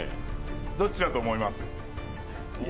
どっちだと思います？